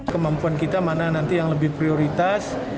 kemampuan kita mana nanti yang lebih prioritas